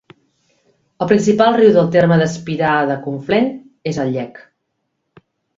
El principal riu del terme d'Espirà de Conflent és el Llec.